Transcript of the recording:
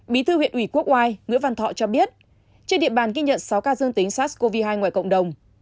bí thư huyện ủy quốc oai nguyễn văn thọ cho biết trên địa bàn ghi nhận sáu ca dương tính sars cov hai ngoài cộng đồng